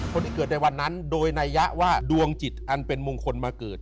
คนที่เกิดในวันนั้นโดยนัยยะว่าดวงจิตอันเป็นมงคลมาเกิด